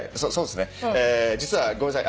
実はごめんなさい。